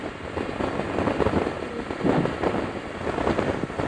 Omubaka wa Pulezidenti e Masaka.